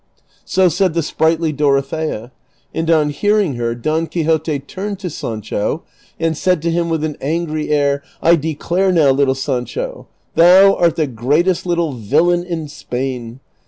80 said the sprightly Dorothea, and on hearing her. Don Quixote turned to Sancho, and said to him, with an angry air, " I declare now, little Sancho, thou art the greatest little vil lain in Spain.